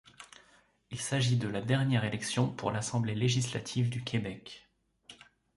Il s'agit de la dernière élection pour l'Assemblée législative du Québec.